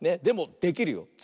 でもできるよ。